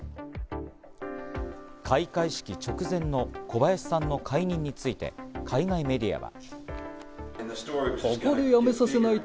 開会式直前の小林さんの解任について、海外メディアは。